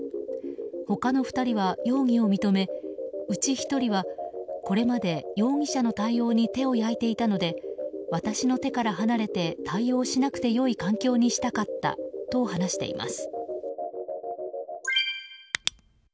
他の２人は容疑を認めうち１人はこれまで容疑者の対応に手を焼いていたので私の手から離れて対応しなくてよい環境にしたかったと話しています。